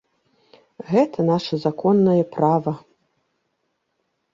Гэта наша законнае права.